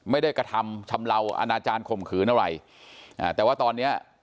กระทำชำเลาอาณาจารย์ข่มขืนอะไรอ่าแต่ว่าตอนเนี้ย